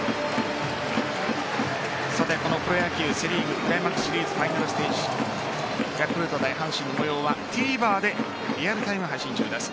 このプロ野球セ・リーグクライマックスシリーズファイナルステージヤクルト対阪神の模様はＴＶｅｒでリアルタイム配信中です。